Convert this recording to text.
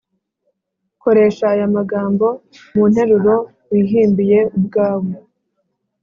koresha aya magambo mu nteruro wihimbiye ubwawe